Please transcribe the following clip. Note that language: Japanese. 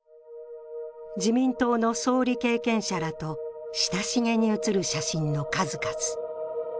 自民党の総理経験者らと親しげに写る写真の数々。